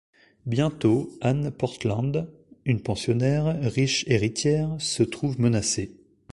Bientôt Ann Portland, une pensionnaire, riche héritière, se trouve menacée.